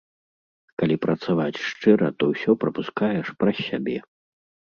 Калі працаваць шчыра, то ўсё прапускаеш праз сябе.